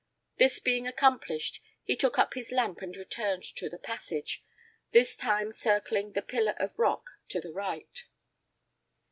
This being accomplished, he took up his lamp and returned to the passage, this time circling the pillar of rock to the right.